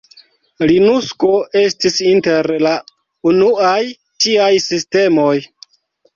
Linukso estis inter la unuaj tiaj sistemoj.